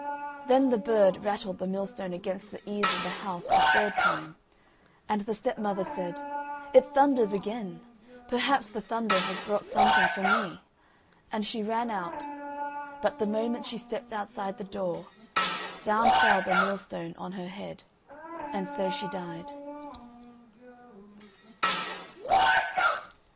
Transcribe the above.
Then the bird rattled the millstone against the eaves of the house a third time; and the stepmother said: "It thunders again, perhaps the thunder has brought something for me," and she ran out; but the moment she stepped outside the door, down fell the millstone on her head; and so she died.